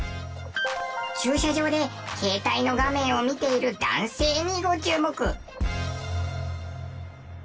駐車場で携帯の画面を見ている男性にご注目。